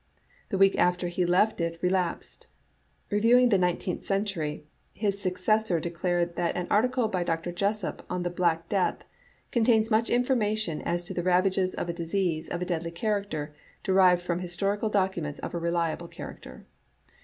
The week after he left it re lapsed. Reviewing the Nineteenth Century^ his successor declared that an article by Dr. Jessopp on the Black Death " contains much information as to the ravages of a disease of a deadly character, derived from historical documents of a reliable character."